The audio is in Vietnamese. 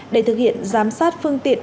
để thực hiện giám sát phương tiện